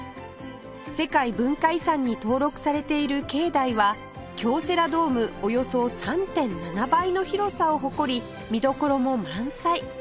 世界文化遺産に登録されている境内は京セラドームおよそ ３．７ 倍の広さを誇り見どころも満載